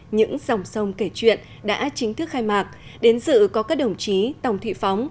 những dòng sông kể chuyện đã chính thức khai mạc đến dự có các đồng chí tòng thị phóng